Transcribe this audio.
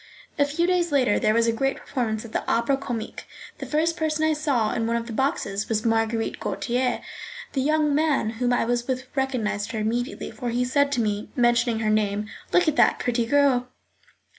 A few days later there was a great performance at the Opera Comique. The first person I saw in one of the boxes was Marguerite Gautier. The young man whom I was with recognised her immediately, for he said to me, mentioning her name: "Look at that pretty girl."